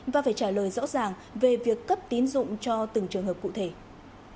và phải trả lời rõ ràng về việc cấp tín dụng cho từng doanh nghiệp